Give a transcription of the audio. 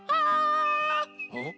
うん？